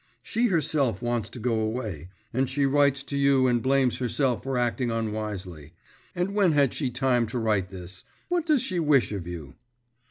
she herself wants to go away, and she writes to you and blames herself for acting unwisely … and when had she time to write this? What does she wish of you?